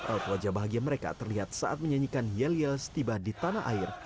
alp wajah bahagia mereka terlihat saat menyanyikan yel yel setiba di tanah air